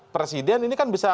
presiden ini kan bisa